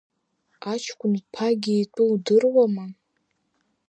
Аҷкәын ԥагьа итәы удыруама?